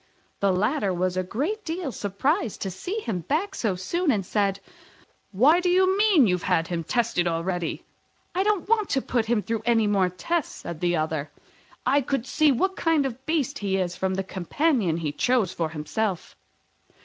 The latter was a good deal surprised to see him back so soon, and said, "Why, do you mean to say you have tested him already?" "I don't want to put him through any more tests," replied the other: "I could see what sort of beast he is from the companion he chose for himself."